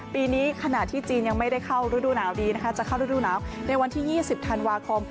ปีนี้ขณะที่จีนยังไม่ได้เข้าฤดูหนาวดีนะคะจะเข้าฤดูหนาวในวันที่๒๐ธันวาคม